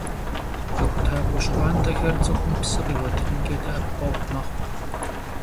«КъэхутакӀуэ щхъуантӀэхэр» цӀыхум псы къигъуэтынымкӀэ дэӀэпыкъуэгъу мэхъу.